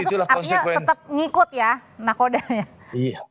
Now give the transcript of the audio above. tentu itu artinya tetap ngikut ya nakodanya